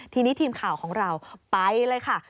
ทีนี้ทีมข่าวของเราไปเลยค่ะ